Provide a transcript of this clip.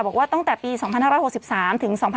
บอกว่าตั้งแต่ปี๒๕๖๓ถึง๒๕๖๒